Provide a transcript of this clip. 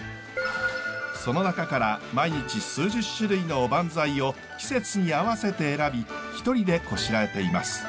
その中から毎日数十種類のおばんざいを季節に合わせて選び一人でこしらえています。